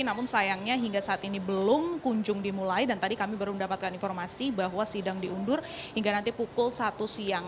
namun sayangnya hingga saat ini belum kunjung dimulai dan tadi kami baru mendapatkan informasi bahwa sidang diundur hingga nanti pukul satu siang